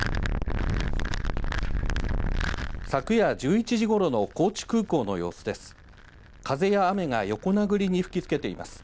昨夜１１時ごろの高知空港の様子です。